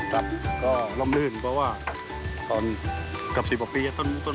ครับก็ล้อมลื่นเพราะว่าตอนกับสิบประปรีต้นไม้ผูกนะครับ